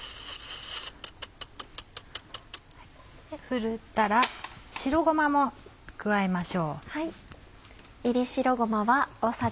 ふるったら白ごまも加えましょう。